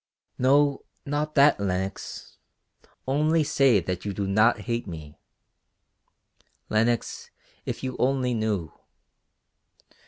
"No, not that, Lenox. Only say that you do not hate me. Lenox, if you only knew.